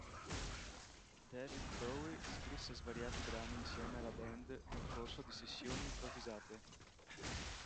David Bowie scrisse svariati brani insieme alla band nel corso di sessioni improvvisate.